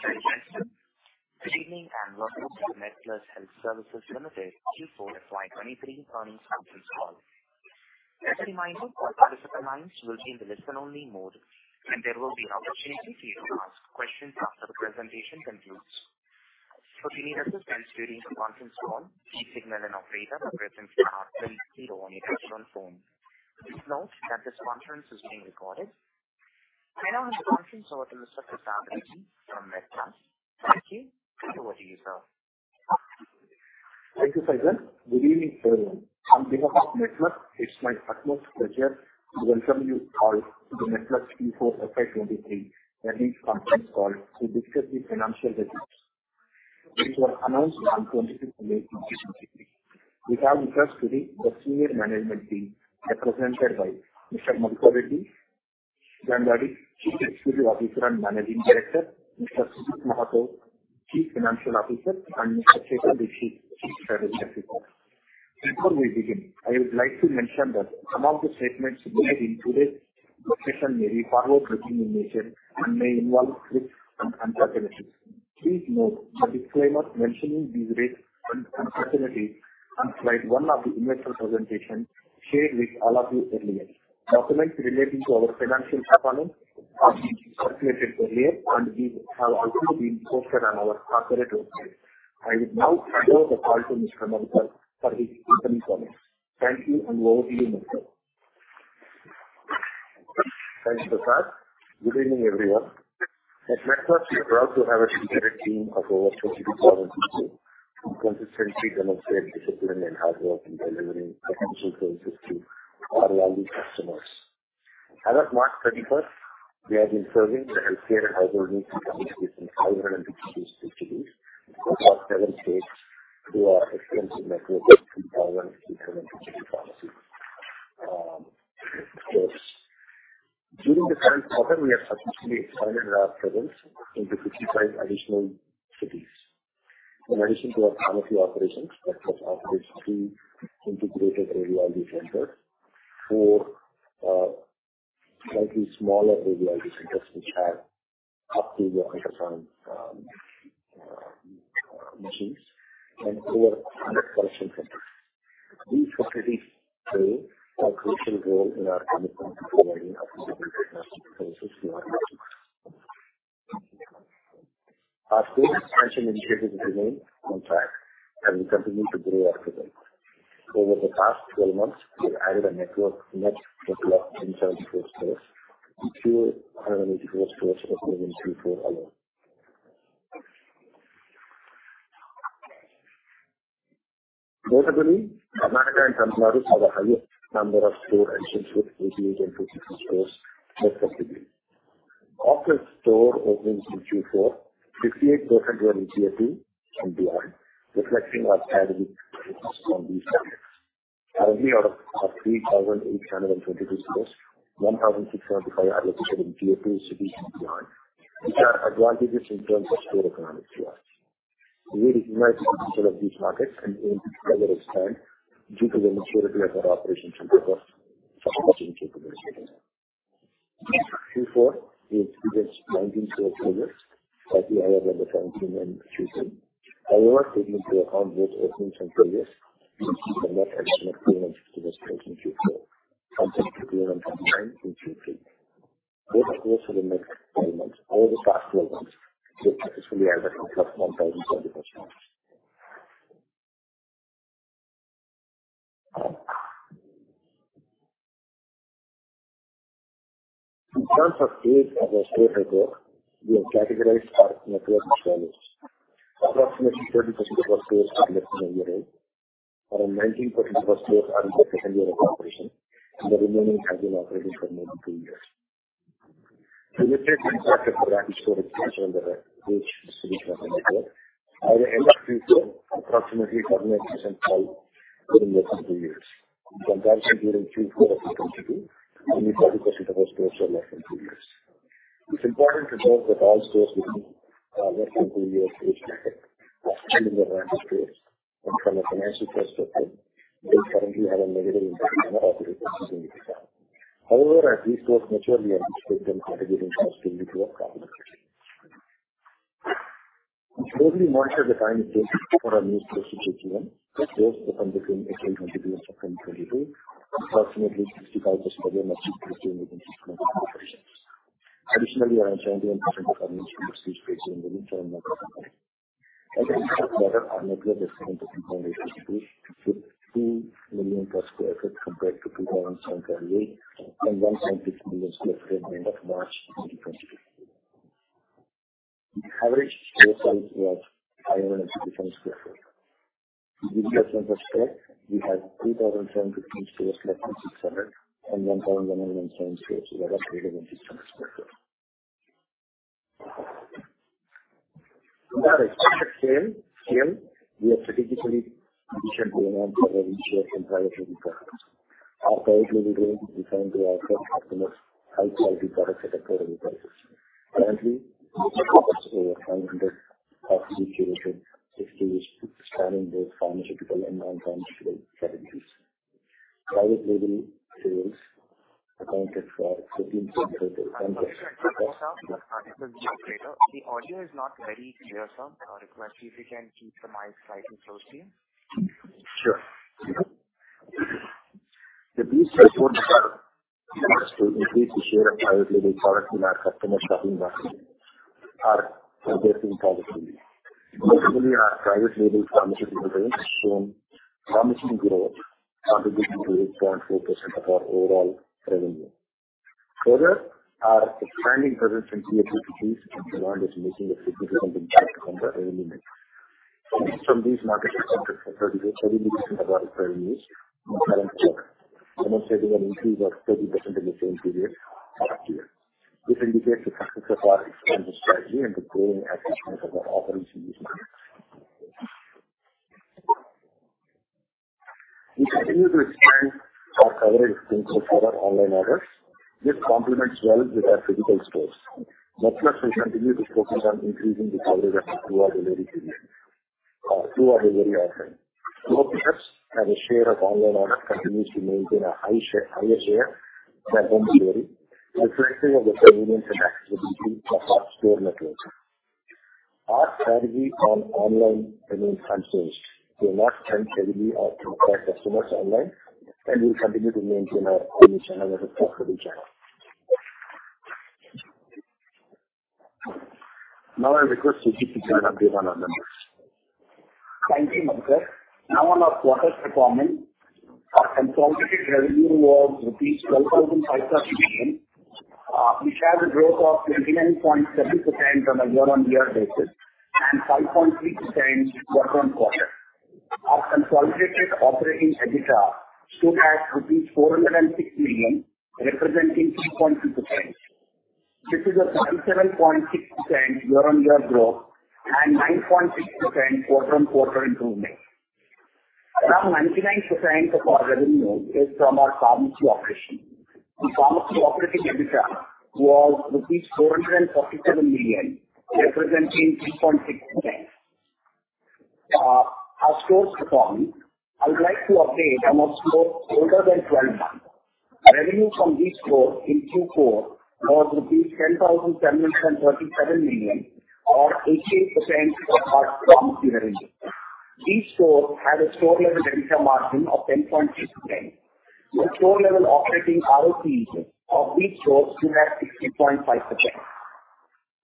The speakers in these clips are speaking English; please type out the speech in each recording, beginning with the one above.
Thank you for your time. Good evening and welcome to the MedPlus Health Services Limited Q4/FY23 earnings conference call. As a reminder, all participant lines will be in the listen-only mode, and there will be an opportunity for you to ask questions after the presentation concludes. Should you need assistance during the conference call, please signal an operator by pressing star 100 on your desktop phone. Please note that this conference is being recorded. I now have the conference over to Mr. Gangadi Madhukar Reddy from MedPlus. Thank you, and over to you, sir. Thank you, Faizan. Good evening, everyone. On behalf of MedPlus, it's my utmost pleasure to welcome you all to the MedPlus Q4/FY23 earnings conference call to discuss the financial results, which were announced on 22 May 2023. We have with us today the senior management team, represented by Mr. Gangadi Madhukar Reddy, Chief Executive Officer and Managing Director, Mr. Sujit Mahato, Chief Financial Officer, and Mr. Chetan Seetharaman, Chief Strategy Officer. Before we begin, I would like to mention that some of the statements made in today's discussion may be forward-looking in nature and may involve risks and uncertainties. Please note the disclaimer mentioning these risks and uncertainties inside one of the investor presentations shared with all of you earlier. Documents relating to our financial performance have been circulated earlier, and these have also been posted on our corporate website. I would now hand over the call to Mr. Madhukar for his opening comments. Thank you, and over to you, Mr. Madhukar. Thanks, Faizan. Good evening, everyone. At MedPlus, we're proud to have a dedicated team of over 22,000 people who consistently demonstrate discipline and hard work in delivering essential services to our valued customers. As of March 31st, we have been serving the healthcare and household needs in 552 cities across seven states through our extensive network of 3,000 healthcare and digital pharmacies. During the current quarter, we have subsequently expanded our presence into 55 additional cities. In addition to our pharmacy operations, that has operated 3 integrated radiology centers, 4 slightly smaller radiology centers which have state-of-the-art ultrasound machines, and over 100 collection centers. These facilities play a crucial role in our commitment to providing accessible diagnostic services to our customers. Our growth expansion initiatives remain on track, and we continue to grow our presence. Over the past 12 months, we've added a network. That led to 184 stores opening in Q4 alone. Notably, Tamil Nadu and Karnataka have the highest number of store entries with 88 and 53 stores net additions. Our store openings in Q4, 58% were in Tier 2 and beyond, reflecting our strategic focus on these targets. Currently, out of our 3,822 stores, 1,675 are located in Tier 2 cities and beyond, which are advantageous in terms of store economics for us. We recognize the potential of these markets and aim to further expand due to the maturity of our operations and our subscription capabilities. Q4 had 19 store closures slightly higher than the 19 in Q3. However, taking into account both openings and closures, we see a net addition of 19 stores in Q4 and a net addition of 19 in Q3. Over the past 12 months, we've successfully added +1,024 stores. In terms of age of our store network, we have categorized our network values. Approximately 30% of our stores are less than one year old, around 19% of our stores are in the second year of operation, and the remaining have been operating for more than two years. To illustrate the impact of the rapid store expansion on the age of the stores we have entered, by the end of Q4, approximately 49% fall in less than two years. In comparison during Q4 of 2022, only 40% of our stores are less than two years. It's important to note that all stores within less than two years age category are still in their nascent stage, and from a financial perspective, they currently have a negative impact on our operations owing to the discount. However, as these stores mature and we expect them aggregating costs will lead to a problem quickly. We closely monitor the time it takes for our new stores to take over. Those open between April 2022 and September 2022, approximately 65% of them achieve break-even within 6 months of operations. Additionally, around 21% of our new stores reach break-even within 7 months of operations. As a result of that, our network has grown to 3,862 with 2 million sq ft compared to 2,738 and 1.6 million sq ft at the end of March 2022. The average store size was 587 sq ft. In the year since our start, we have 3,715 stores less than 600 and 1,107 stores, or about greater than 600 sq ft. In terms of expected sales, we have strategically positioned going on for our each year's entire trading program. Our private label range is designed to offer customers high-quality products at affordable prices. Currently, we accomplished over 500 of our curated SKUs spanning both pharmaceutical and non-pharmaceutical strategies. Private label sales accounted for 15% of the. Sorry. The audio is not very clear, sir. I request you if you can keep the mic slightly closer to you. Sure. The biggest support we have to increase the share of private label products in our customer shopping basket are progressing positively. Notably, our private label pharmaceutical range has shown promising growth contributing to 8.4% of our overall revenue. Further, our expanding presence in Tier 2 cities and beyond is making a significant impact on our revenue mix. Some of these markets accounted for 38% of our revenues in current quarter, amounting to an increase of 30% in the same period last year. This indicates the success of our expansion strategy and the growing effectiveness of our offerings in these markets. We continue to expand our coverage of clinical care online orders. This complements well with our physical stores. MedPlus will continue to focus on increasing the coverage of the two-hour delivery offering. Small shops have a share of online orders that continues to maintain a higher share than home delivery, reflecting the convenience and accessibility of our store network. Our strategy on online remains unchanged. We will not spend heavily or impress customers online, and we'll continue to maintain our omnichannel as a profitable channel. Now, I request you to give an update on our numbers. Thank you, Madhukar. Now, on our quarter's performance, our consolidated revenue was rupees 12,500 million, which has a growth of 29.7% on a year-over-year basis and 5.3% quarter-over-quarter. Our consolidated operating EBITDA stood at rupees 406 million, representing 3.2%. This is a 37.6% year-over-year growth and 9.6% quarter-over-quarter improvement. About 99% of our revenue is from our pharmacy operations. The pharmacy operating EBITDA was rupees 447 million, representing 3.6%. Our store's performance, I would like to update on our store's older than 12 months. Revenue from this store in Q4 was rupees 10,737 million, or 88% of our pharmacy revenue. These stores had a store-level EBITDA margin of 10.6%. The store-level operating ROCE of these stores stood at 60.5%.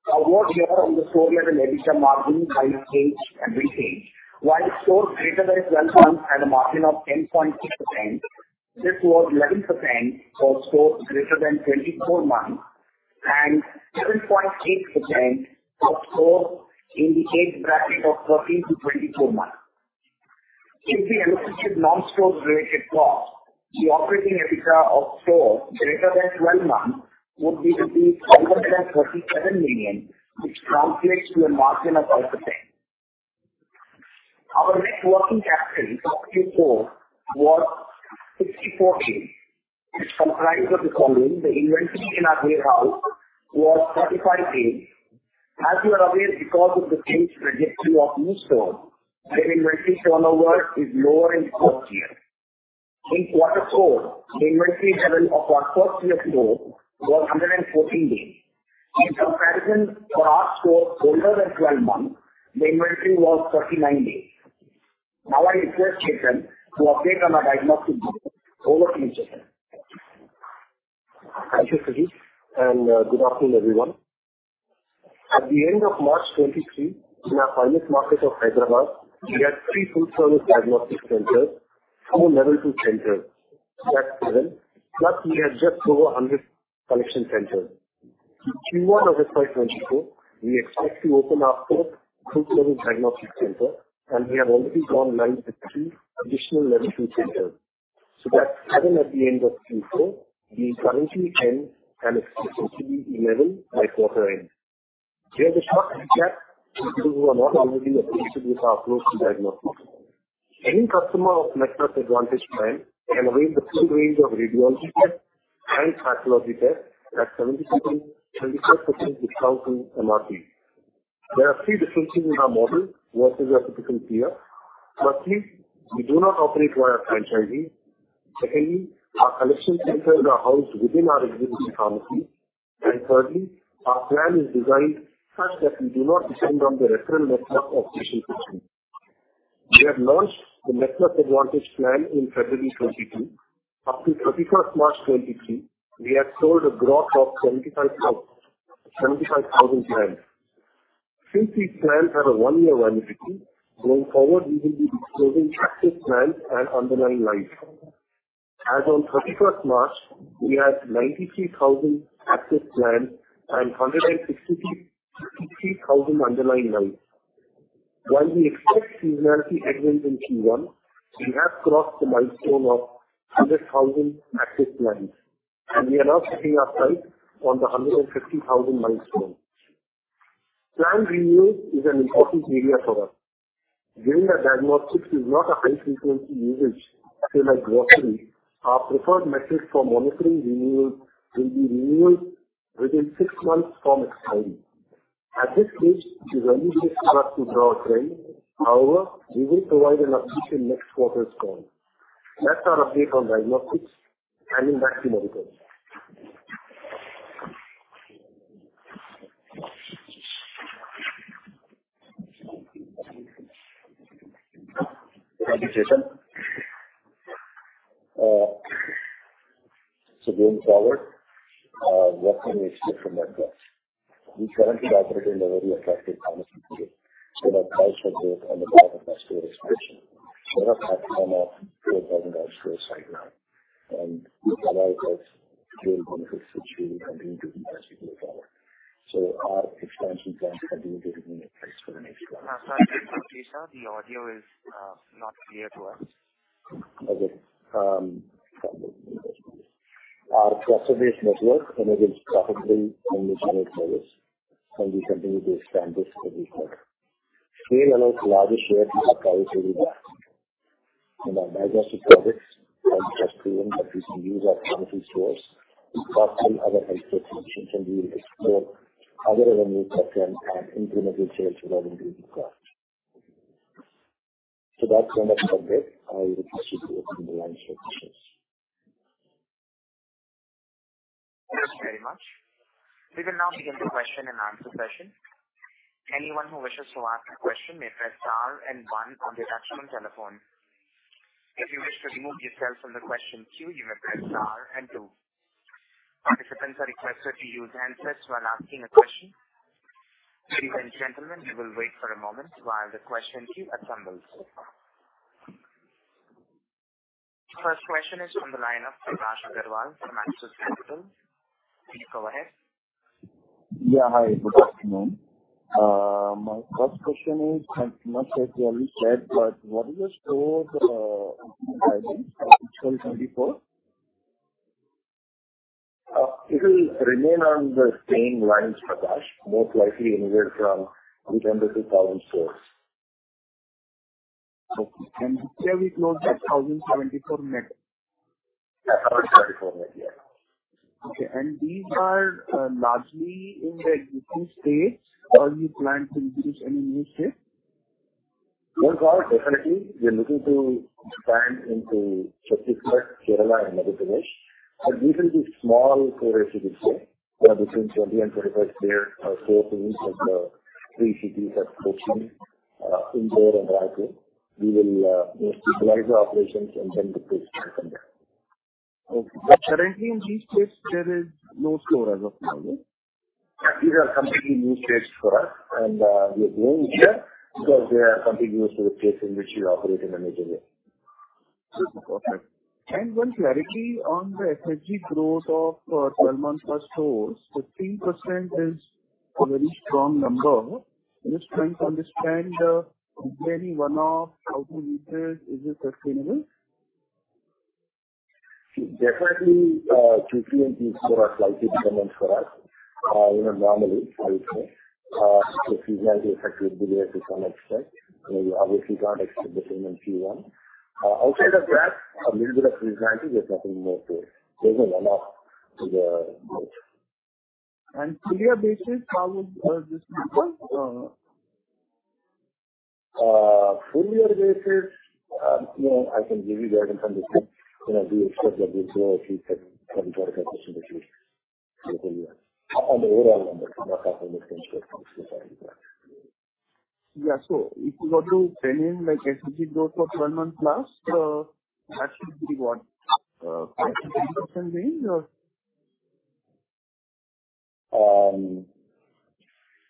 A word here on the store-level EBITDA margin by age and retail. While stores greater than 12 months had a margin of 10.6%, this was 11% for stores greater than 24 months and 7.8% for stores in the age bracket of 13-24 months. If we allocated non-store-related costs, the operating EBITDA of stores greater than 12 months would be 537 million, which translates to a margin of 5%. Our net working capital for Q4 was 64 days, which comprised of the following: the inventory in our warehouse was 35 days. As you are aware, because of the sales trajectory of new stores, their inventory turnover is lower in the first year. In quarter four, the inventory level of our first-year store was 114 days. In comparison, for our store older than 12 months, the inventory was 39 days. Now, I request Chetan to update on our diagnostic data over to you, Chetan. Thank you, Sujit. Good afternoon, everyone. At the end of March 2023, in our finance market of Hyderabad, we had three full-service diagnostic centers, four level two centers, plus we had just over 100 collection centers. In Q1 of FY 2024, we expect to open our fourth full-service diagnostic center, and we have already gone live with three additional level two centers. So that's seven at the end of Q4, being currently 10 and expected to be 11 by quarter end. There's a sharp gap for people who are not already acquainted with our approach to diagnostics. Any customer of MedPlus Advantage plan can avail the full range of radiology tests and pathology tests at 75% discount to MRP. There are three differences in our model versus our typical tier. Firstly, we do not operate via franchising. Secondly, our collection centers are housed within our existing pharmacies. Thirdly, our plan is designed such that we do not depend on the referral network of patient pictures. We have launched the MedPlus Advantage plan in February 2022. Up to 31st March 2023, we have sold a gross of 75,000 plans. Since these plans have a one-year validity, going forward, we will be disclosing active plans and underlying lines. As on 31st March 2023, we had 93,000 active plans and 163,000 underlying lines. While we expect seasonality advance in Q1, we have crossed the milestone of 100,000 active plans, and we are now sitting outside on the 150,000 milestone. Plan renewals is an important area for us. Given that diagnostics is not a high-frequency usage, say like groceries, our preferred metric for monitoring renewals will be renewals within six months from expiry. At this stage, it is only good for us to draw a trend. However, we will provide an update in next quarter's call. That's our update on diagnostics and back to medical. Thank you, Chetan. So going forward, what can we expect from MedPlus? We currently operate in a very attractive pharmacy tier. So that price has grown on the back of our store expansion. We have over 4,000 stores right now, and we provide those general benefits which we will continue to do as we go forward. So our expansion plans continue to remain in place for the next 12 months. Sorry to interrupt you, sir. The audio is not clear to us. Okay. Our cluster-based network enables profitable omnichannel service, and we continue to expand this every step. Scale allows larger shares of our price to be bought. In our diagnostic products, we have proven that we can use our pharmacy stores. Possibly, other healthcare clinicians can be able to explore other revenue patterns and incremental sales without increasing costs. So that's kind of the update. I request you to open the lines for questions. Thank you very much. We will now begin the question-and-answer session. Anyone who wishes to ask a question may press star and one on the touchscreen telephone. If you wish to remove yourself from the question queue, you may press star and two. Participants are requested to use handsets while asking a question. Ladies and gentlemen, we will wait for a moment while the question queue assembles. First question is from the line of Prakash Agarwal from Axis Capital. Please go ahead. Yeah, hi. Good afternoon. My first question is, I'm not sure if we already said, but what is your store guidance for Q1 2024? It will remain on the same lines, Prakash, most likely anywhere from 800-1,000 stores. Okay. And shall we close at 1,074 net? At 1,074 net, yeah. Okay. These are largely in the existing states, or do you plan to introduce any new states? Well, definitely. We're looking to expand into Chhattisgarh, Kerala, and Madhya Pradesh. But these will be small stores, you could say. There are between 20 and 25. There are four cities of the three cities that Kochi, Indore and Raipur. We will stabilize our operations and then replace them from there. Okay. Currently, in these states, there are no stores as of now, right? These are completely new states for us, and we are going there because they are contiguous to the states in which we operate in a major way. Okay. One clarity on the SSG growth of 12-month-plus stores. 15% is a very strong number. I'm just trying to understand, is there any one-off outreach? Is it sustainable? Definitely, Q3 and Q4 are slightly different for us normally, I would say. The seasonality effect will be there to some extent. You obviously can't expect the same in Q1. Outside of that, a little bit of seasonality, there's nothing more to it. There's no one-off to the growth. Full-year basis, how would this look like? Full-year basis, I can give you the information. We expect that we'll grow at least 70,000 customers each year on the overall number. We're not talking extensions, specifically. Yeah. So if we go to planning SSG growth for 12-month+, that should be what? 5%-10% range, or?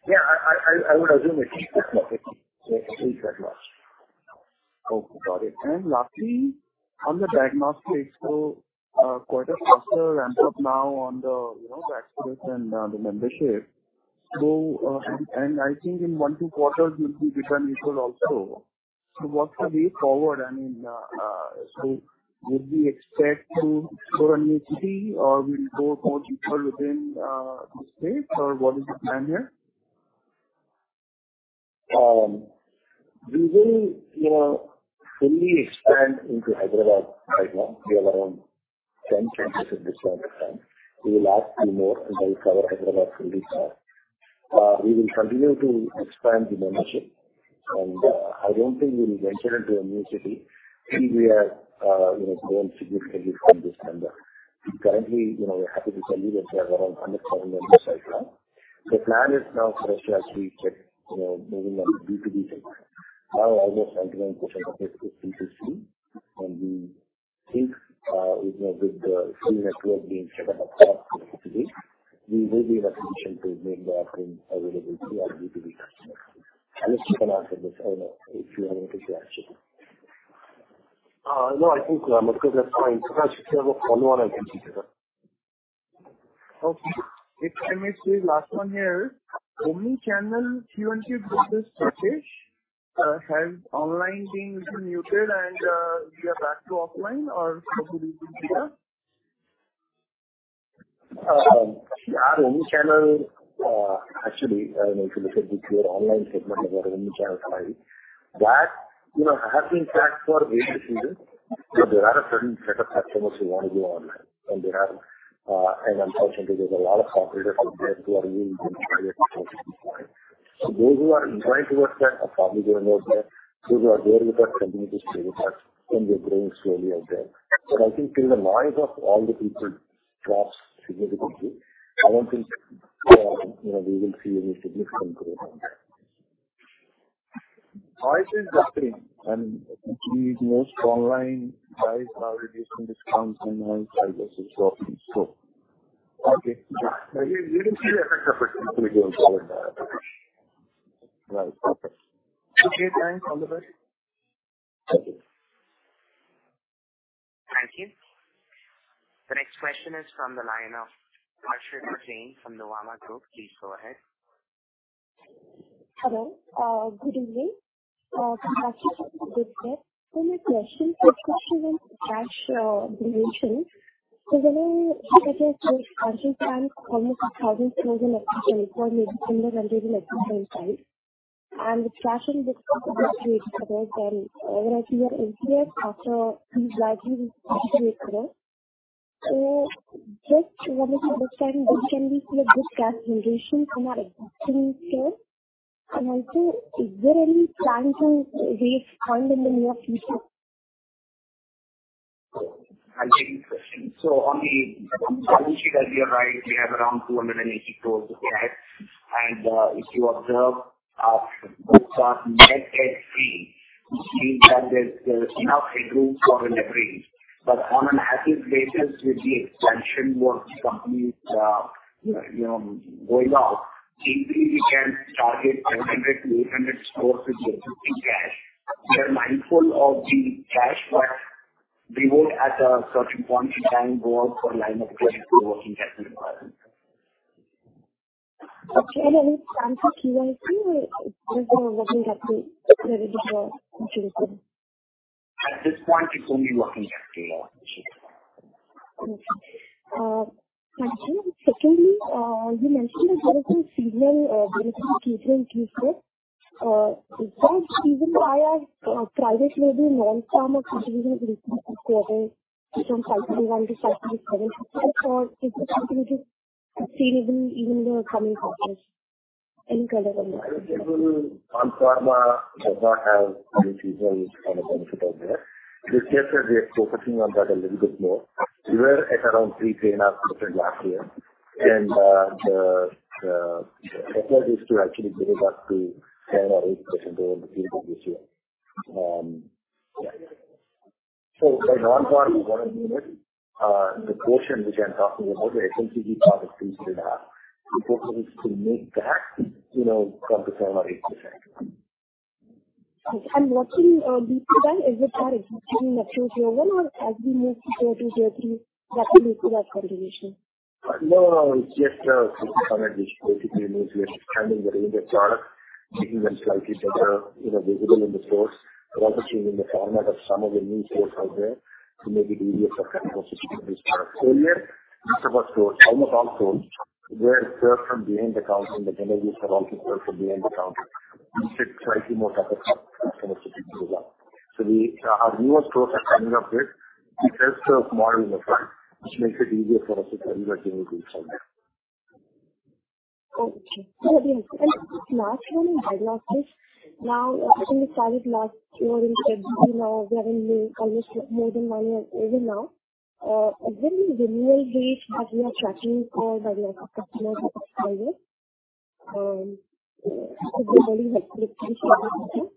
Yeah, I would assume it's 8%. It's 8%+. Okay. Got it. And lastly, on the diagnostics, so Q4 ramps up now on the existing and the membership. I think in 1-2 quarters, we'll be in profit also. So what's the way forward? I mean, so would we expect to go to a new city, or will we go more deeper within these states, or what is the plan here? We will fully expand into Hyderabad right now. We are around 10%-10% discount to fund. We will add a few more until we cover Hyderabad fully. We will continue to expand the membership, and I don't think we'll venture into a new city if we have grown significantly from this number. Currently, we're happy to tell you that we have around 100,000 members right now. The plan is now fresh as we check moving on to B2B tech. Now, almost 99% of it is B2C, and we think with the full network being set up across the city, we will be in a position to make the offering available to our B2B customers. Alice, you can answer this. I don't know if you have anything to add, Chetan. No, I think, Madhukar, that's fine. Prakash, if you have a follow-on, I can see Chetan. Okay. If I may say, last one here, omnichannel Q&Q business, Prakash, has online been muted, and we are back to offline, or how do we do here? Yeah, the omnichannel, actually, I don't know if you look at the Q&A online segment, there are omnichannel five. That has been tracked for a reason or two, but there are a certain set of customers who want to go online, and unfortunately, there's a lot of operators out there who are really being tired of going to be fine. So those who are enjoying towards that are probably going to go there. Those who are there with us continue to stay with us, and we're growing slowly out there. But I think till the noise of all the people drops significantly, I don't think we will see any significant growth on that. I think that's the thing. And these most online guys are reducing discounts, and now, I guess, it's dropping slow. Okay. We don't see the effects of it until we go forward. Right. Okay. Okay. Thanks. All the best. Thank you. Thank you. The next question is from the line of Ashraf Hussain from Nuvama Group. Please go ahead. Hello. Good evening. Prakash, good day. My question is actually about cash dilution. When I look at this FY24, almost 1,000 stores in 2024 maybe similar run rate at the same time. And with cash in books, it looks to be a bit better than what I see your capex after. It's likely to be a bit better. Just wanted to look at this time, can we see a good cash generation from our existing store? And also, is there any plan to raise fund in the near future? I think so. So on the balance sheet, as you're right, we have around 280 stores to cash. And if you observe, our books are net debt-free, which means that there's enough headroom for a leverage. But on an active basis, with the expansion work complete going on, easily we can target 700-800 stores with the existing cash. We are mindful of the cash, but we won't, at a certain point in time, go out for a line of credit for working cash requirements. Okay. At least down to Q1, we're still looking at the credit requirement. At this point, it's only working cash scale, actually. Okay. Thank you. Secondly, you mentioned that there is a seasonal benefit in Q4. Is that driven by private label non-pharma or contribution increases quarter-on-quarter from 5.1%-5.7%, or is this continually sustainable even in the coming quarters? Any color on that? Non-pharma does not have any seasonal kind of benefit out there. This year, we are focusing on that a little bit more. We were at around 3.5% last year, and the effort is to actually bring it up to 7%-8% over the period of this year. Yeah. So by non-pharma, we want to mean it. The portion which I'm talking about, the FMCG part of 3.5%, the focus is to make that come to 7%-8%. Okay. Looking deeper then, is it that existing network year one, or as we move to tier two, tier three, that's leading to that continuation? No, no. It's just a system, which basically means we are expanding the range of products, making them slightly better visible in the stores, but also changing the format of some of the new stores out there to make it easier for customers to pick up these products earlier. Some of our stores, almost all stores, where we serve from behind the counter, and the deliveries are also served from behind the counter, we set slightly more access for customers to pick those up. So our newer stores are coming up with a self-serve model in the front, which makes it easier for us to deliver deliveries out there. Okay. Very good. And last one in diagnostics. Now, I think we started last year in February. We have almost more than one year over now. Is there any renewal rate that we are tracking for diagnostic customers this year? Could be very helpful if we start with that.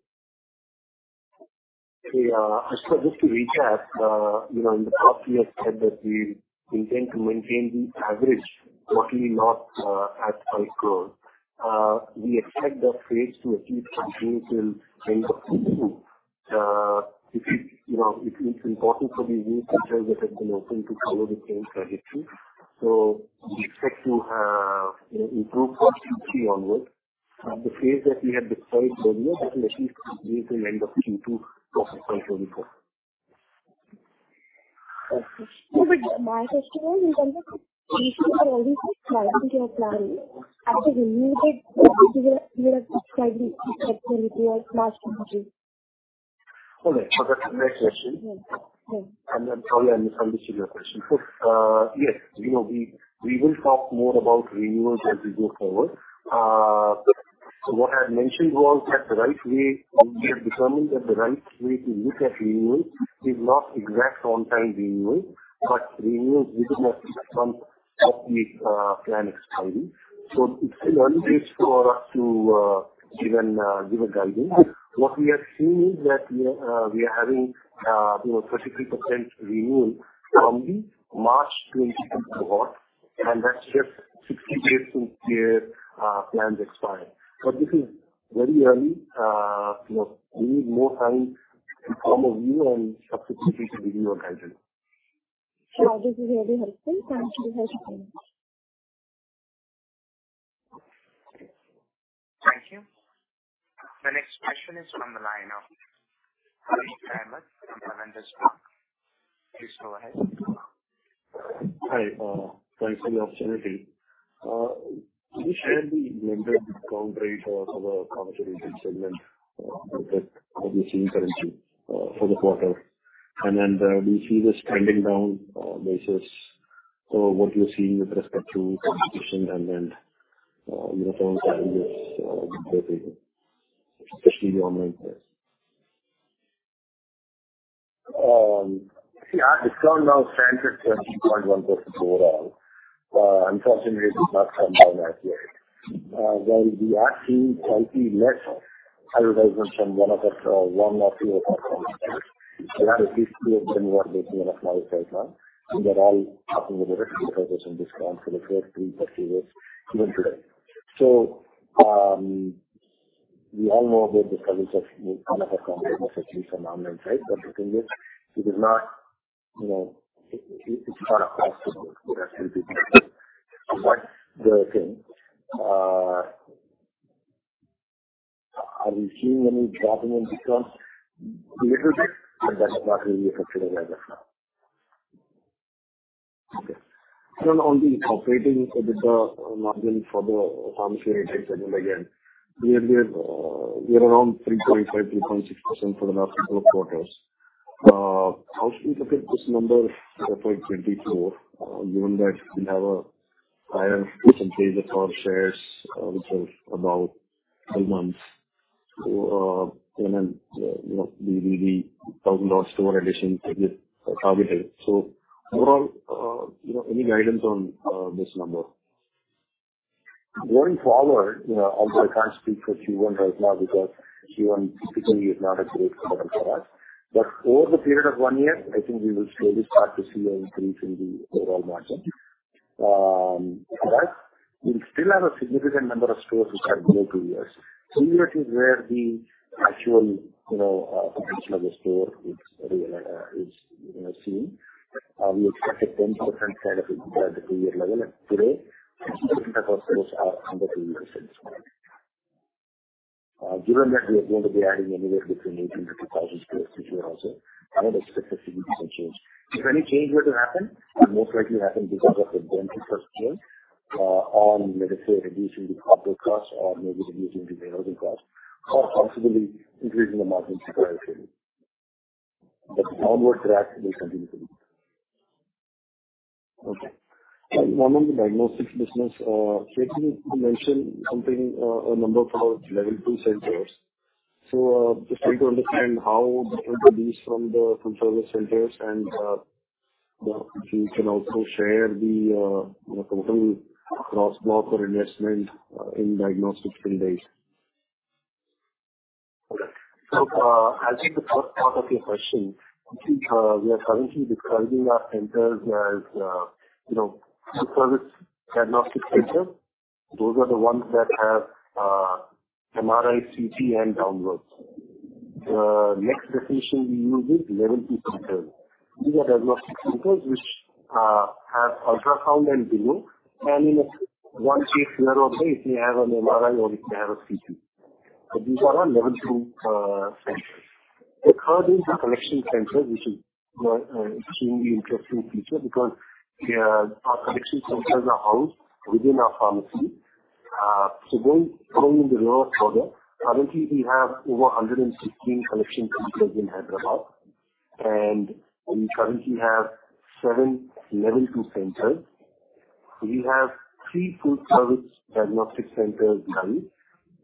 Yeah. I suppose just to recap, in the past, we have said that we intend to maintain the average, but we had low SSG growth. We expect the pace to achieve continuity till end of Q2. It's important for these new stores that have been open to follow the same trajectory. So we expect to have improvement Q3 onward. The pace that we had decided earlier can at least continue till end of Q2 of 2024. Okay. So with my customers, in terms of patients or all these clients in your planning, after renewed debt, you would have slightly expected a return last Q2? Okay. So that's a great question. And I'm sorry I misunderstood your question. So yes, we will talk more about renewals as we go forward. So what I had mentioned was that the right way we have determined that the right way to look at renewals is not exact on-time renewals, but renewals within a six-month of the plan expiry. So it's still early days for us to give a guidance. What we have seen is that we are having 33% renewal from the March 22nd of August, and that's just 60 days since their plans expired. But this is very early. We need more time to form a view and subsequently to give you a guidance. Yeah. This is very helpful. Thank you for helping me. Thank you. The next question is from the line of Harith Ahamed from Avendus Spark. Please go ahead. Hi. Thanks for the opportunity. Can you share the member discount rate for the pharmaceutical segment that we're seeing currently for the quarter? And then do you see this trending down basis for what you're seeing with respect to competition and then phone charges, especially the online price? Yeah. Discount now stands at 30.1% overall. Unfortunately, it did not come down as yet. While we have seen slightly less advertisements from one of us or one or few of our pharmaceuticals, we have at least two of them who are making enough money right now, and they're all talking about a 10% discount for the first 3 purchases even today. So we all know about the struggles of one of our companies, at least on the online side. But the thing is, it is not. It's not a cost. It has to be paid. So that's the thing. Are we seeing any dropping in discounts? A little bit, but that's not really affected us as of now. Okay. Not only operating a bit more than for the pharmaceutical segment again. We are around 3.5%-3.6% for the last couple of quarters. How should we look at this number for 2024, given that we have a higher percentage of our stores, which are about 12 months? And then the 1,000 store addition targeted. So overall, any guidance on this number? Going forward, although I can't speak for Q1 right now because Q1 typically is not a great model for us, but over the period of one year, I think we will slowly start to see an increase in the overall margin. For us, we still have a significant number of stores which have grown two years. Two years is where the actual potential of the store is seen. We expected 10% kind of at the two-year level, and today, 60% of our stores are under two years. Given that we are going to be adding anywhere between 180-200 stores this year also, I don't expect a significant change. If any change were to happen, it would most likely happen because of the benefits of sales on, let us say, reducing the cargo costs or maybe reducing the maintenance costs or possibly increasing the margin supply trailing. But the downward track will continue to be. Okay. And one of the diagnostics business, Chetan, you mentioned something, a number for our level two centers. So just trying to understand how different are these from the service centers, and if you can also share the total gross block or investment in diagnostics today. Okay. So I think the first part of your question, I think we are currently describing our centers as two-service diagnostic centers. Those are the ones that have MRI, CT, and downwards. The next definition we use is level two centers. These are diagnostic centers which have ultrasound and below, and in one case here or there, it may have an MRI or it may have a CT. But these are our level two centers. The third is the collection centers, which is an extremely interesting feature because our collection centers are housed within our pharmacy. So going in the reverse order, currently, we have over 115 collection centers in Hyderabad, and we currently have 7 level two centers. We have 3 full-service diagnostic centers live,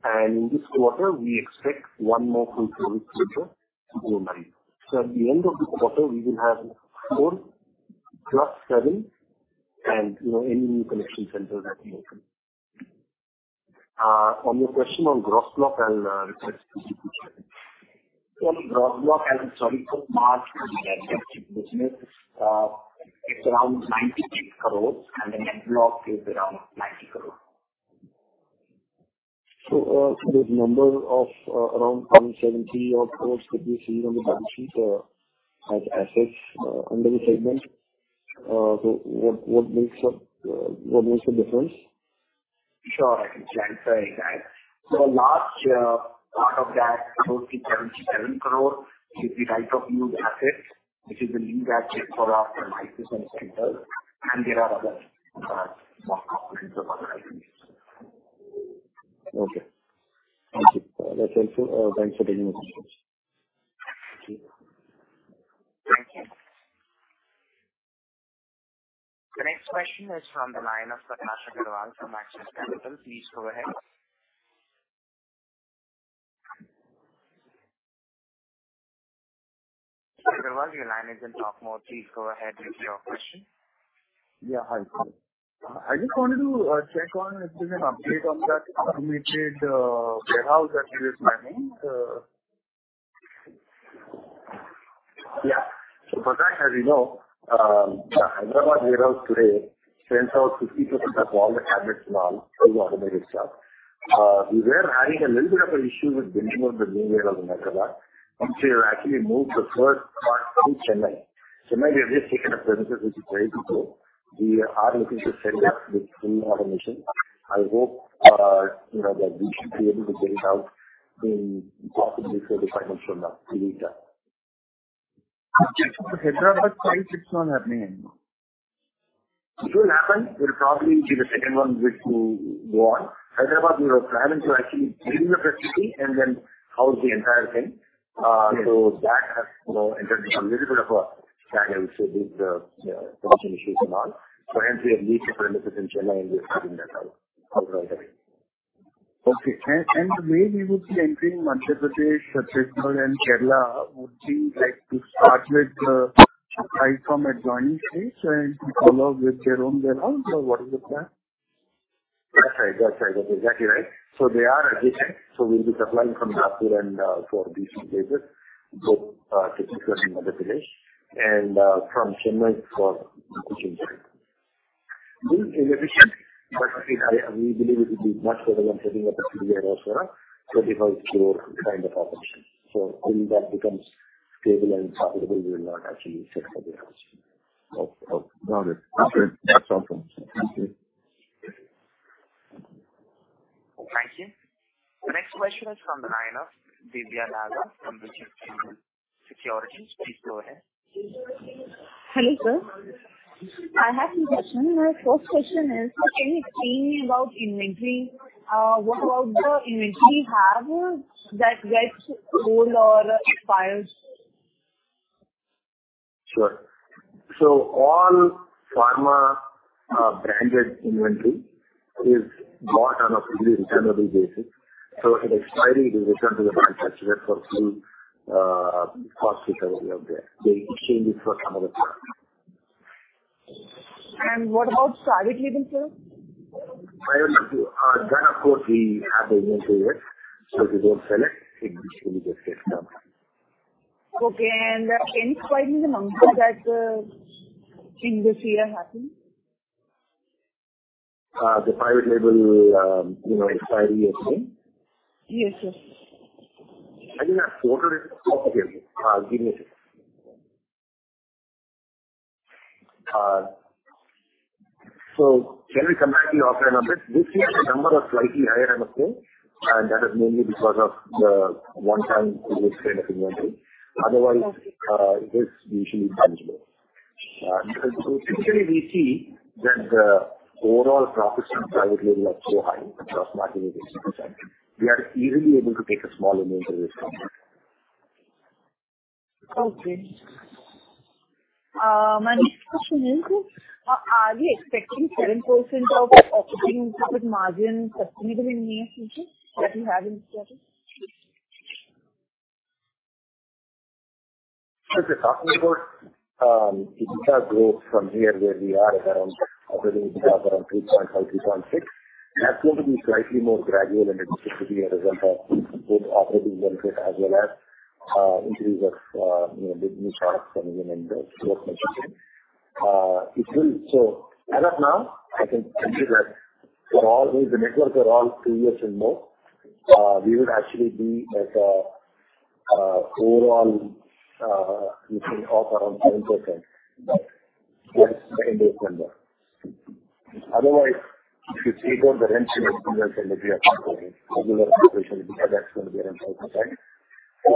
and in this quarter, we expect 1 more full-service center to go live. So at the end of the quarter, we will have 4 + 7 and any new collection centers that we open. On your question on gross block, I'll reply to the question. Yeah. Gross Block, I'm sorry, for our diagnostic business, it's around 98 crores, and the Net Block is around 90 crores. There's a number of around 170 or so that we see on the balance sheet as assets under the segment. What makes the difference? Sure. I can share. I'm sorry. So last year, part of that. Close to 77 crores should be right-of-use assets, which is the lease asset for our pharmacy centers, and there are other major components of our assets. Okay. Thank you. That's helpful. Thanks for taking the questions. Thank you. The next question is from the line of Prakash Agarwal from Axis Capital. Please go ahead. Mr. Agarwal, your line is in Talk Mode. Please go ahead with your question. Yeah. Hi. I just wanted to check on if there's an update on that automated warehouse that you gave my name? Yeah. So for that, as you know, yeah, Hyderabad warehouse today sends out 50% of all the cartons now through automated sorter. We were having a little bit of an issue with building up the new warehouse in Hyderabad. We actually moved the first part to Chennai. Chennai, we have just taken a premises, which is very good. We are looking to set it up with full automation. I hope that we should be able to get it out in possibly 3-5 months from now in return. Hyderabad side, it's not happening anymore? It will happen. It'll probably be the second one which will go on. Hyderabad, we were planning to actually build up the city and then house the entire thing. So that has entered into a little bit of a struggle, so with the connection issues and all. So hence, we have leased a premises in Chennai, and we're setting that out right away. Okay. And the way we would be entering Madhya Pradesh, Chhattisgarh, and Kerala would be to start with supply from adjoining states and follow up with their own warehouse, or what is the plan? That's right. That's right. That's exactly right. So they are adjacent, so we'll be supplying from Nagpur and for these two places, both Chhattisgarh and Madhya Pradesh, and from Chennai for the Cochin side. This is inefficient, but we believe it would be much better than setting up a new warehouse for us, INR 25 crore kind of operation. So till that becomes stable and profitable, we will not actually set up a warehouse. Okay. Got it. Okay. That's helpful. Thank you. Thank you. The next question is from the line of Divya Daga from Dolat Capital. Please go ahead. Hello, sir. I have two questions. My first question is, can you explain about inventory? What about the inventory we have that gets sold or expired? Sure. So all pharma-branded inventory is bought on a fully returnable basis. So at expiry, it is returned to the manufacturer for full cost recovery. They exchange it for some other product. What about private labels, sir? Private labels, then, of course, we have the inventory yet, so we don't sell it. It usually just gets dumped. Okay. And can you explain to me the number that in this year happened? The private label expiry of the name? Yes, yes. I think last quarter it's okay. Give me a second. So can we come back to your offering on this? This year, the number was slightly higher, I must say, and that is mainly because of the one-time release kind of inventory. Otherwise, it is usually manageable. Typically, we see that the overall profits from private label are so high, across market is 80%, we are easily able to take a small inventory from that. Okay. My next question is, are we expecting 7% of operating profit margin sustainable in near future that we have in the strategy? So if we're talking about EBITDA growth from here where we are at around operating EBITDA of around 3.5-3.6, that's going to be slightly more gradual, and it should be a result of both operating benefit as well as increase of new products coming in and growth management. So as of now, I can tell you that for all the network, for all two years and more, we will actually be at an overall EBITDA of around 7%. But that's the end-of-year number. Otherwise, if you take out the rental inventory and the regular operation, that's going to be around 5% for stores which are open years. And that thing is important. Okay, sir. Thank you so much. Thank you. The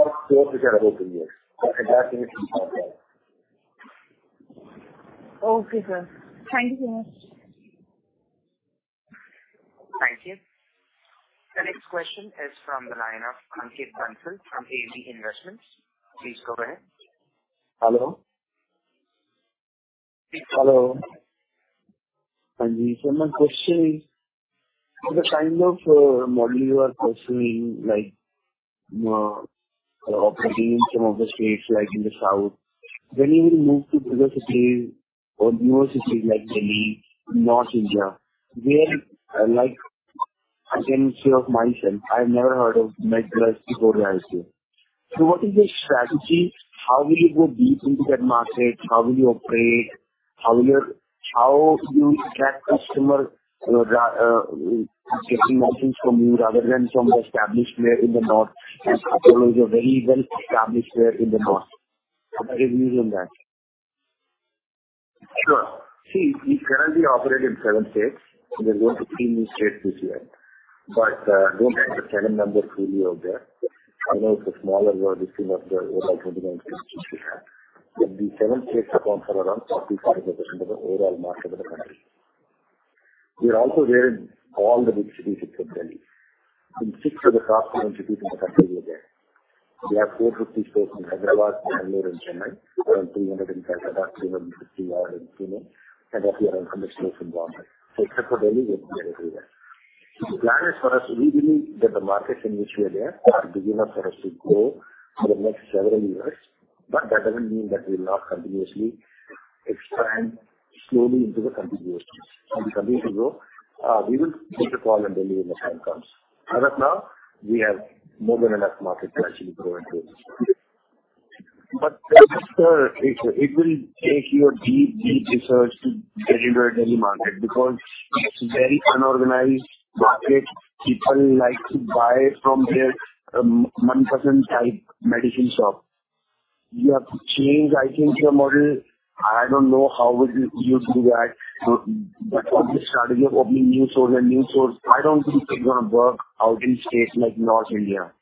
next question is from the line of Ankit Bansal from AMD Investments. Please go ahead. Hello? Hello. The seminal question is, for the kind of model you are pursuing, operating in some of the states like in the south, when you will move to bigger cities or newer cities like Delhi, North India, where I can share of myself, I have never heard of MedPlus before the IPO. So what is your strategy? How will you go deep into that market? How will you operate? How will you attract customers getting medicines from you rather than from the established player in the north and a very well-established player in the north? What are your views on that? Sure. See, we currently operate in seven states, and we're going to three new states this year. But don't take the seven number fully out there. I know it's a smaller distance of the overall 29 states we have. But the seven states account for around 45% of the overall market of the country. We are also there in all the big cities except Delhi. In six of the top seven cities in the country, we are there. We have 450 stores in Hyderabad, Bengaluru, and Chennai, around 300 in Kolkata, 350 in Pune, and up here around 100 stores in Mumbai. So except for Delhi, we're there everywhere. The plan is for us we believe that the markets in which we are there are good enough for us to grow for the next several years, but that doesn't mean that we'll not continuously expand slowly into the continuousness. We continue to grow. We will take a call in Delhi when the time comes. As of now, we have more than enough market to actually grow into. But it will take your deep, deep research to get into a Delhi market because it's a very unorganized market. People like to buy from their 1mg type medicine shop. You have to change, I think, your model. I don't know how you do that. But with the strategy of opening new stores and new stores, I don't think it's going to work out in states like North India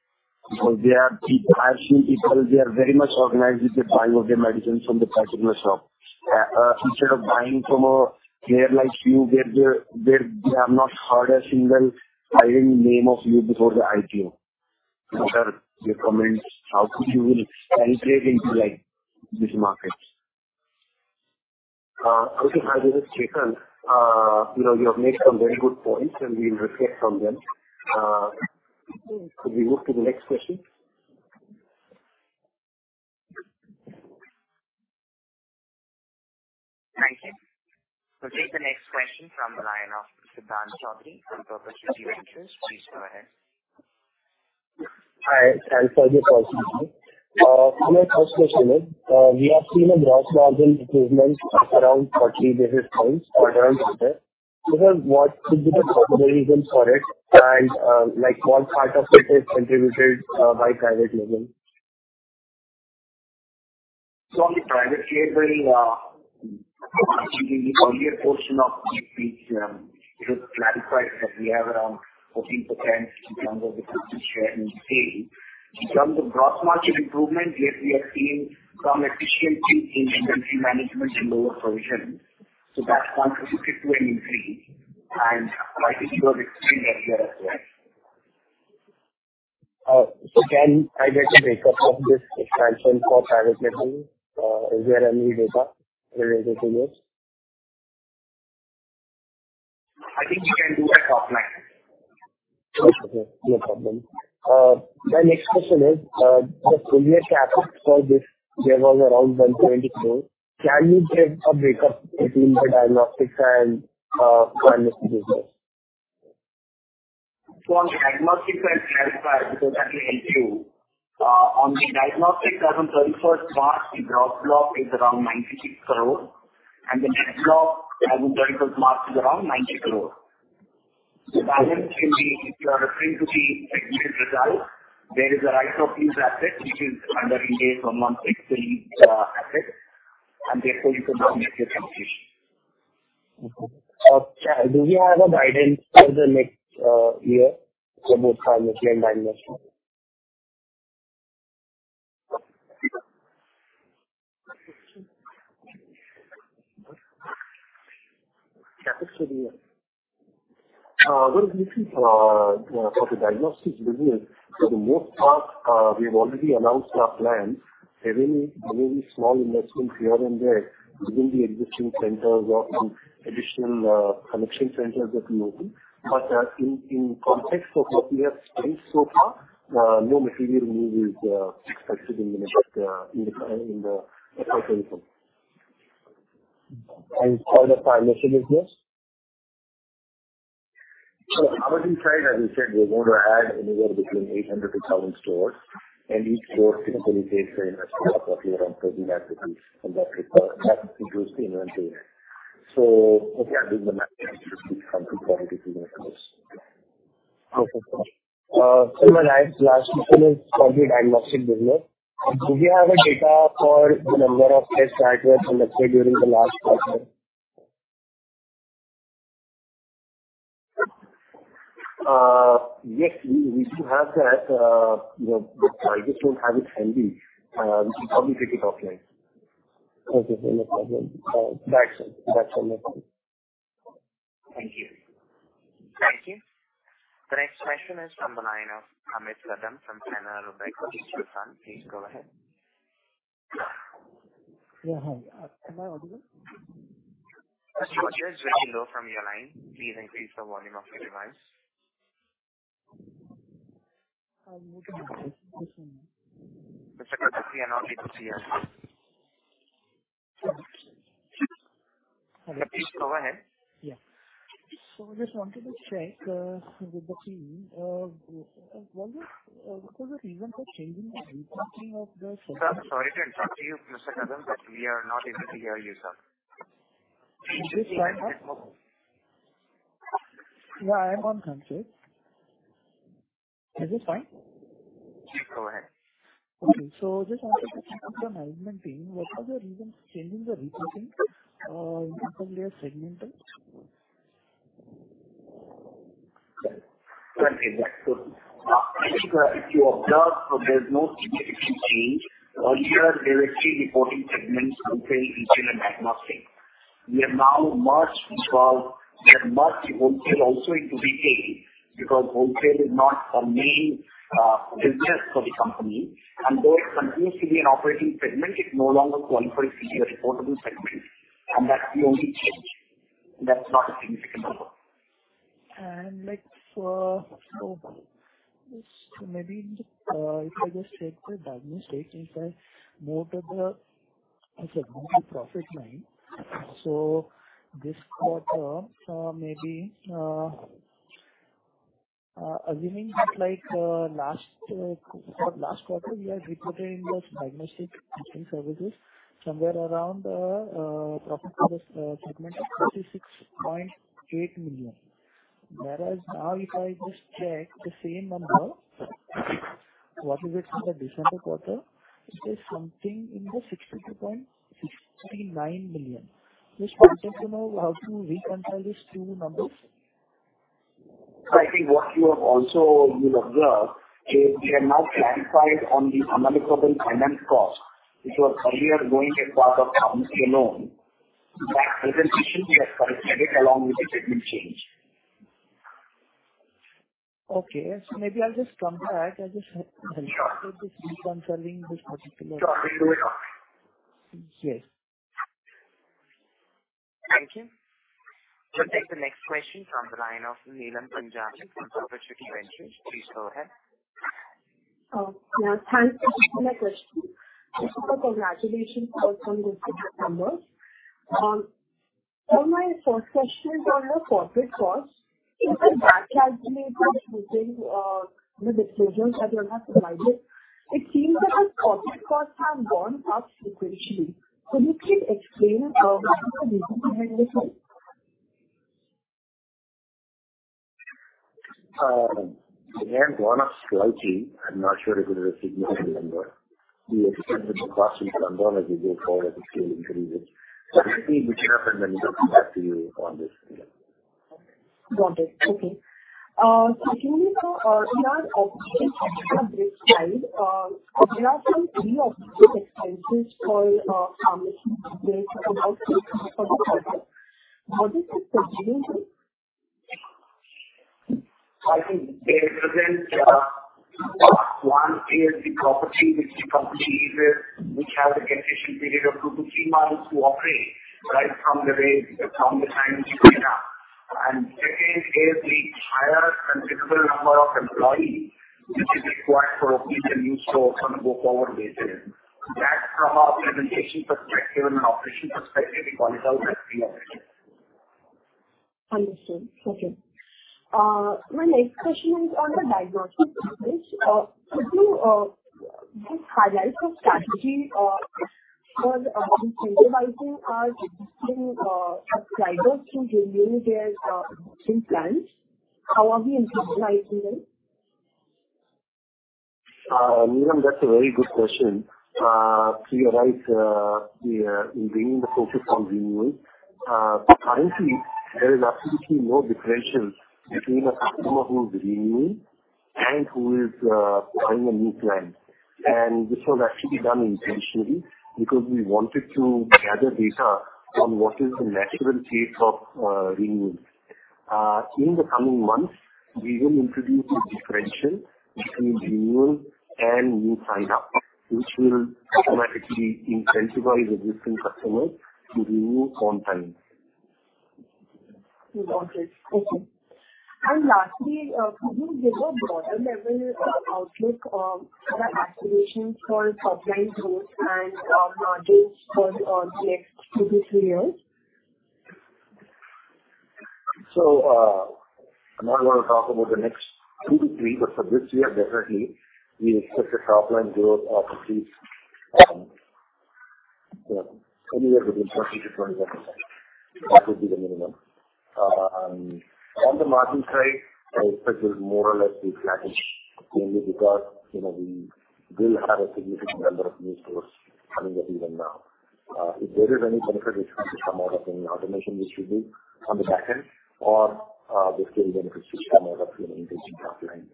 because I have seen people, they are very much organized with the buying of their medicines from the particular shop. Instead of buying from a player like you where they have not heard a single tiring name of you before the IPO. Sir, your comments, how could you penetrate into this market? Okay. As you have mentioned, you have made some very good points, and we'll reflect on them. Could we move to the next question? Thank you. We'll take the next question from the line of Siddhant Dand from Perpetuity Ventures. Please go ahead. Hi. I'm Siddhant, Perpetuity Ventures. My first question is, we have seen a gross margin improvement of around 40 basis points. Sir, what could be the possible reasons for it, and what part of it is contributed by private label? So on the private label, actually, the earlier portion of our speech, it was clarified that we have around 14%, under 50% share in sales. From the gross margin improvement, yes, we have seen some efficiencies in inventory management and lower provisions. So that contributed to an increase, and I think you have explained that here as well. So, can I get a breakdown of this expansion for private label? Is there any data related to this? I think we can do that offline. Okay. No problem. My next question is, the earlier cap for this, there was around 124. Can you give a break-up between the diagnostics and pharmacy business? So on the diagnostics, I'll clarify because that will help you. On the diagnostics, as of 31st March, the gross block is around 96 crore, and the net block, as of 31st March, is around 90 crore. The balance can be if you are referring to the segment result, there is a right-of-use asset, which is recognised on 160 assets, and therefore, you could now make your transition. Okay. Do we have a guidance for the next year for both pharmacy and diagnostics? Capital should be there. What is missing for the diagnostics business? For the most part, we have already announced our plans, maybe small investments here and there within the existing centers or some additional connection centers that we open. But in context of what we have spent so far, no material move is expected in the next FY24. For the pharmacy business? Our insight, as you said, we're going to add anywhere between 800-1,000 stores, and each store typically takes an investment of roughly around INR 30,000, and that increases the inventory yet. Again, the management should keep coming to INR 40-300 crore. Okay. So, my last question is for the diagnostic business. Do we have data for the number of tests that were conducted during the last quarter? Yes. We do have that. I just don't have it handy. We should probably take it offline. Okay. No problem. That's all. Thank you. Thank you. The next question is from the line of Amit Kadam from Canara Robeco. Please go ahead. Yeah. Hi. Am I audible? Yes, you are just a little low from your line. Please increase the volume of your device. I'm looking at the question now. Mr. Kadam, I'm not able to see you. Hello? Please go ahead. Yeah. So I just wanted to check with the team. What was the reason for changing the repeating of the? Sorry to interrupt you, Mr. Kadam, but we are not able to hear you, sir. Is this fine? Yeah. I am online. Is this fine? Please go ahead. Okay. So just answer the question from the management team. What are the reasons for changing the reporting in terms of their segmental? Okay. I think if you observe, there's no significant change. Earlier, they were actually reporting segments retail, retail, and diagnostic. We have now merged retail also into retail because retail is not a main business for the company. Though it continues to be an operating segment, it no longer qualifies to be a reportable segment, and that's the only change. That's not a significant number. Maybe if I just check the diagnostics, if I go to the segmental profit line, so this quarter, maybe assuming that last quarter, we are reporting those diagnostic services somewhere around profit for the segment of 46.8 million. Whereas now, if I just check the same number, what is it for the December quarter? It says something in the 62.69 million. Just wanted to know how to reconcile these two numbers. I think what you have also observed is we are now clarified on the omnichannel finance cost, which was earlier going as part of pharmacy alone. That presentation, we have clarified it along with the segment change. Okay. Maybe I'll just come back. I'll just help with reconciling this particular. Sure. We'll do it. Yes. Thank you. We'll take the next question from the line of Neelam Punjabi from Perpetuity Ventures. Please go ahead. Yeah. Thanks for asking my question. This is a congratulations for some good numbers. My first question is on your corporate cost. If we backcalculate using the disclosures that you have provided, it seems that the corporate costs have gone up sequentially. Could you please explain what is the reason behind this? They have gone up slightly. I'm not sure if it is a significant number. The expected cost will come down as we go forward as the scale increases. But we'll see which happens and we'll come back to you on this. Got it. Okay. So if you only saw we are operating on this side. There are some pre-operative expenses for pharmacy that come out for the corporate. What is the percentage? I think there isn't one. It is the property which the company uses, which has a guaranteed period of 2-3 months to operate, right, from the time you get up. And second is the higher considerable number of employees which is required for opening a new store on a go-forward basis. That's from our presentation perspective and operation perspective. We call it out as pre-operative. Understood. Okay. My next question is on the diagnostic business. Could you just highlight your strategy for incentivizing our existing subscribers to renew their existing plans? How are we incentivizing them? Neelam, that's a very good question. To your right, we're bringing the focus on renewal. Currently, there is absolutely no differential between a customer who's renewing and who is buying a new plan. And this was actually done intentionally because we wanted to gather data on what is the natural pace of renewal. In the coming months, we will introduce a differential between renewal and new sign-up, which will automatically incentivize existing customers to renew on time. Got it. Okay. And lastly, could you give a broader-level outlook on the aspirations for top-line growth and margins for the next 2-3 years? So I'm not going to talk about the next 2-3, but for this year, definitely, we expect a top-line growth of at least anywhere between 20%-25%. That would be the minimum. On the margin side, I expect it will more or less be flattened, mainly because we will have a significant number of new stores coming at the event now. If there is any benefit which will come out of any automation we should do on the back end, or the scale benefits which come out of increasing top-line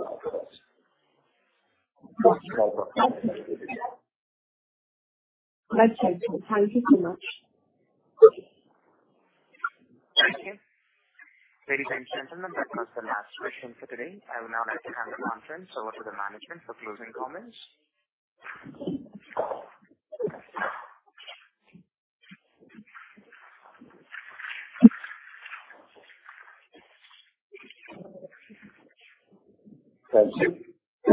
outcomes. That's excellent. Thank you so much. Thank you. Ladies and gentlemen, that was the last question for today. I will now let you hand the conference over to the management for closing comments. Thank you.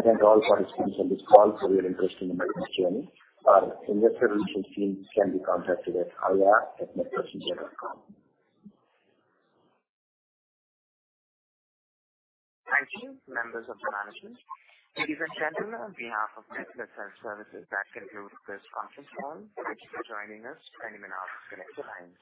Thank all participants on this call for your interest in the medical journey. Our investor relations team can be contacted at ir@medplus.com. Thank you, members of the management. Ladies and gentlemen, on behalf of MedPlus Health Services, that concludes this conference call. Thank you for joining us. 20 minutes are connected lines.